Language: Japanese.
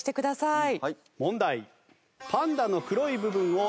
問題。